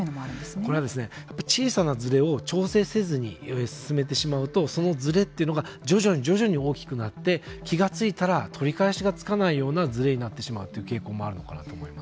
これは小さなズレを調整せずに進めてしまうとそのズレというのが徐々に大きくなって気が付いたら取り返しがつかないようなズレになってしまうという傾向もあると思います。